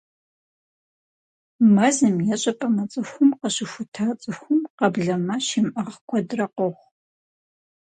Мэзым е щӀыпӀэ мыцӀыхум къыщыхута цӀыхум къэблэмэ щимыӀыгъ куэдрэ къохъу.